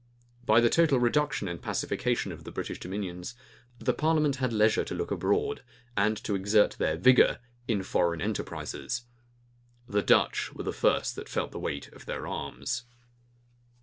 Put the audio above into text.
{1652.} By the total reduction and pacification of the British dominions, the parliament had leisure to look abroad, and to exert their vigor in foreign enterprises. The Dutch were the first that felt the weight of their arms.